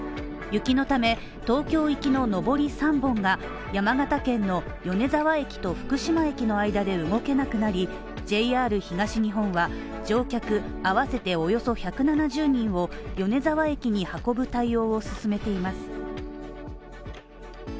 雪のため東京行きの上り３本が山形県の米沢駅と福島駅の間で動けなくなり、ＪＲ東日本は乗客あわせておよそ１７０人を米沢駅に運ぶ対応を進めています。